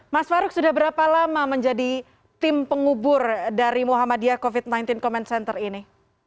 mas farouk sudah berapa lama menjadi tim pengubur dari muhammadiyah covid sembilan belas comment center ini